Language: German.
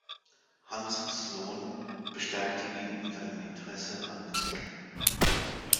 Hans Sloane bestärkte ihn in seinem Interesse an Insekten.